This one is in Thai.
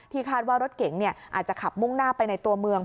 คาดว่ารถเก๋งอาจจะขับมุ่งหน้าไปในตัวเมือง